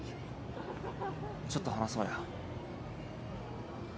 ちょっと話そうや。